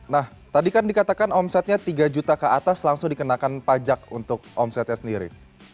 nah tadi kan dikatakan omsetnya tiga juta ke atas langsung dikenakan pajak untuk omsetnya sendiri